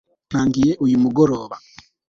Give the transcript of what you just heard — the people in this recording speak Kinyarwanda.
Ntangiye uyu mugoroba